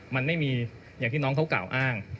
มันไม่มีอย่างที่น้องเขากล่าวอ้าง